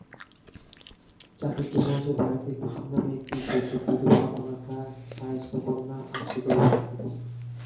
চাটুজ্যেমহাশয়ের বাড়িতে কুসুম নামে একটি শৈশববিধবা অনাথা কায়স্থকন্যা আশ্রিতভাবে থাকিত।